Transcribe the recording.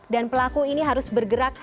dan pelaku ini harus bergerak